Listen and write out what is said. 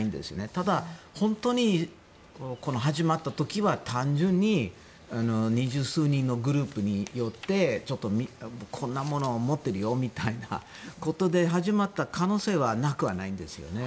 ただ、本当に始まった時は単純に二十数人のグループによってちょっとこんなもの持ってるよみたいなことで始まった可能性はなくはないんですよね。